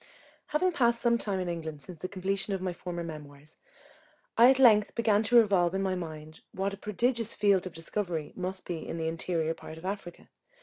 Having passed some time in England since the completion of my former memoirs, I at length began to revolve in my mind what a prodigious field of discovery must be in the interior part of Africa.